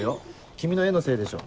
君の絵のせいでしょ。